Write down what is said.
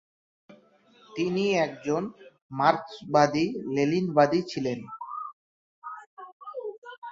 তিনি একজন মার্কসবাদী-লেনিনবাদী ছিলেন।